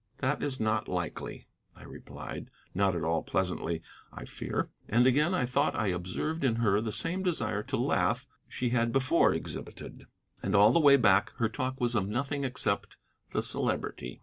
"That is not likely," I replied not at all pleasantly, I fear. And again I thought I observed in her the same desire to laugh she had before exhibited. And all the way back her talk was of nothing except the Celebrity.